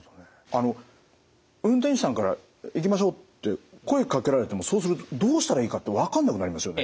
あの運転手さんから「行きましょう」って声かけられてもそうするとどうしたらいいかってわかんなくなりますよね。